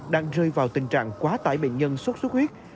đang rơi vào tình trạng quá tải bệnh nhân sốt xuất huyết